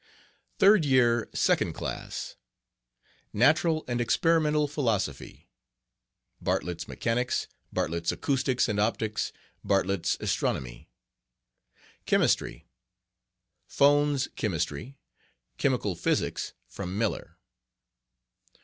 Third Year Second Class. Natural and Experimental..Bartlett's Mechanics. Bartlett's Philosophy Acoustics and Optics. Bartlett's Astronomy. Chemistry.................Fowne's Chemistry. Chemical Physics, from Miller.